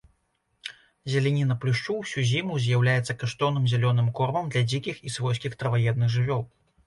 Зеляніна плюшчу ўсю зіму з'яўляецца каштоўным зялёным кормам для дзікіх і свойскіх траваедных жывёл.